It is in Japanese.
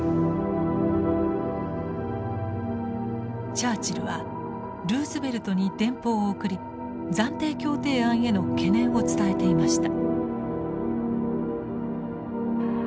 チャーチルはルーズベルトに電報を送り暫定協定案への懸念を伝えていました。